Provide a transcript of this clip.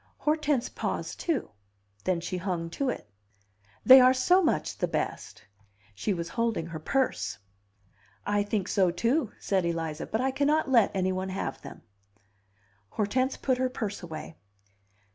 Hortense paused, too. Then she hung to it. "They are so much the best." She was holding her purse. "I think so, too," said Eliza. "But I cannot let any one have them." Hortense put her purse away.